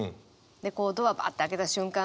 でこうドアばあって開けた瞬間